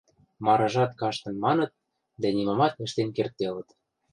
Марыжат каштын маныт, дӓ нимамат ӹштен кердделыт.